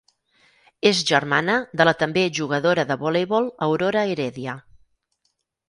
És germana de la també jugadora de voleibol Aurora Heredia.